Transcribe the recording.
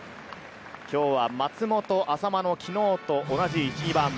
今日は松本、淺間の昨日と同じ１・２番。